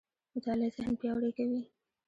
مطالعه ذهن پياوړی کوي.